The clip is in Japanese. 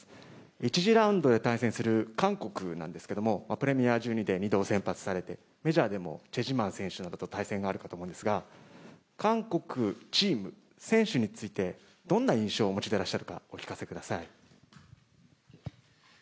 １次ラウンドで対戦する韓国なんですけども、プレミア１２で２度先発をされてメジャーでもチェ・ジュマン選手とも対戦したことがあると思いますが、韓国チーム、選手について、どんな印象をお持ちでいらっしゃるか、お聞かせください。